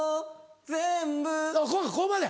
全部ここまで。